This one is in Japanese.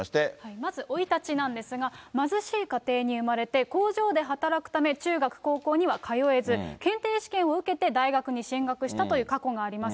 まず生い立ちなんですが、貧しい家庭に生まれて、工場で働くため、中学、高校には通えず、検定試験を受けて大学に進学したという過去があります。